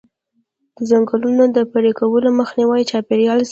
د ځنګلونو د پرې کولو مخنیوی چاپیریال ساتي.